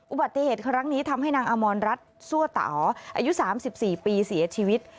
อุบัติเหตุครั้งนี้ทำให้นางอมรรัฐซั่วตาอายุ๓๔ปีเสียชีวิต